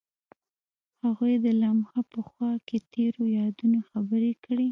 هغوی د لمحه په خوا کې تیرو یادونو خبرې کړې.